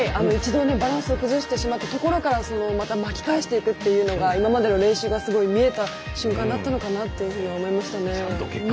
一度、バランスを崩してしまったところからまた巻き返していくっていうのが今までの練習がすごい見えた瞬間だったのかなと思いましたね。